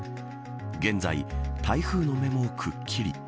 現在、台風の目もくっきり。